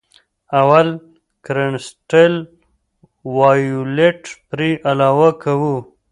اول کرسټل وایولېټ پرې علاوه کوو.